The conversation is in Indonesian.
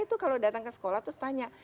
itu kalau datang ke sekolah terus tanya